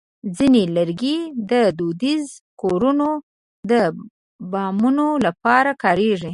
ځینې لرګي د دودیزو کورونو د بامونو لپاره کارېږي.